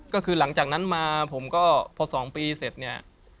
ก็คือหลังจากนั้นมาผมก็พอ๒ปีเสร็จเนี่ย